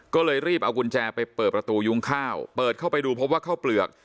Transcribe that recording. ก็เลยรีบเอากุญแจไปเปิดประตูยุ้งข้าวเปิดเข้าไปดูพบว่าข้าวเปลือก